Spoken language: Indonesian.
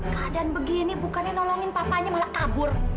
keadaan begini bukannya nolongin papanya malah kabur